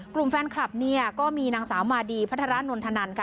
กลุ่มแฟนคลับเนี่ยก็มีนางสาวมาดีพัฒนานนทนันค่ะ